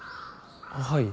はい。